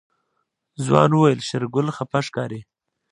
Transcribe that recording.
ځوان وويل شېرګل خپه ښکاري.